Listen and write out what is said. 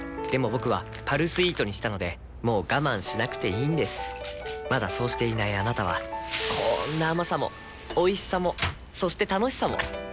僕は「パルスイート」にしたのでもう我慢しなくていいんですまだそうしていないあなたはこんな甘さもおいしさもそして楽しさもあちっ。